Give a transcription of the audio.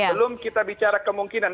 belum kita bicara kemungkinan